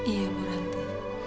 iya bu rante